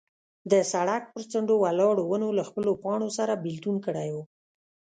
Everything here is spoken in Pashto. د سړک پر څنډو ولاړو ونو له خپلو پاڼو سره بېلتون کړی و.